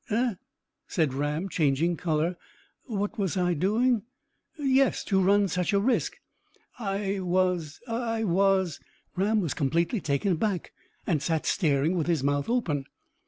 "Eh?" said Ram, changing colour; "what was I doing?" "Yes, to run such a risk." "I was I was " Ram was completely taken aback, and sat staring, with his mouth open.